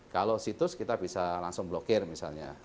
kalau situs kita bisa langsung blokir misalnya